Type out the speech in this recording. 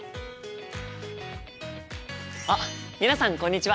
あっ皆さんこんにちは！